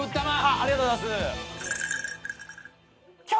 ありがとうございます。